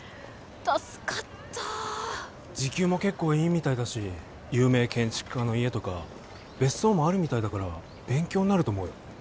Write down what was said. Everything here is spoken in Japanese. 助かった時給も結構いいみたいだし有名建築家の家とか別荘もあるみたいだから勉強になると思うよ